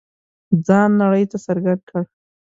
ځان نړۍ ته څرګند کړ.